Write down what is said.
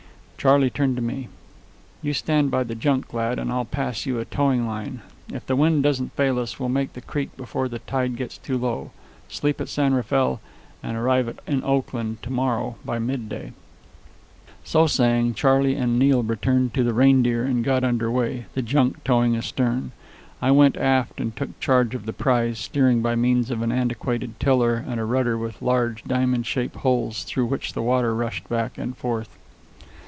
Charley turned to me. "You stand by the junk, lad, and I'll pass you a towing line. If the wind doesn't fail us, we'll make the creek before the tide gets too low, sleep at San Rafael, and arrive in Oakland to morrow by midday." So saying, Charley and Neil returned to the Reindeer and got under way, the junk towing astern. I went aft and took charge of the prize, steering by means of an antiquated tiller and a rudder with large, diamond shaped holes, through which the water rushed back and forth.